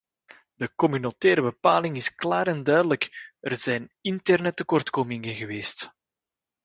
De communautaire bepaling is klaar en duidelijk en er zijn interne tekortkomingen geweest.